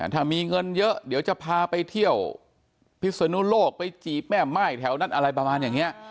ถ้ามีเงินเยอะเดี๋ยวจะพาไปเที่ยวพิศนุโลกไปจีบแม่ม่ายแถวนั้นอะไรประมาณอย่างนี้